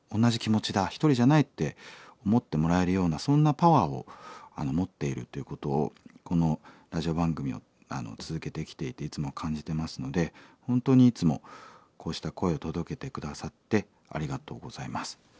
一人じゃないって思ってもらえるようなそんなパワーを持っているということをこのラジオ番組を続けてきていていつも感じてますので本当にいつもこうした声を届けて下さってありがとうございます。